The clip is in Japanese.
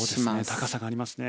高さがありますね。